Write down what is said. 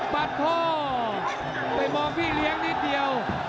มัดคอไปมองพี่เลี้ยงนิดเดียว